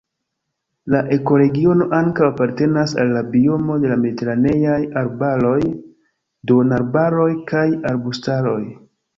La ekoregiono ankaŭ apartenas al la biomo de la mediteraneaj arbaroj, duonarbaroj kaj arbustaroj.